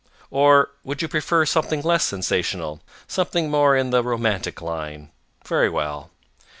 Or would you prefer something less sensational, something more in the romantic line? Very well.